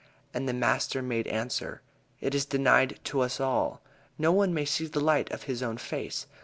And the master made answer: "It is denied to us all. No one may see the light of his own face.